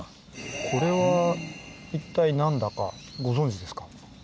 これは一体何だかご存じですか？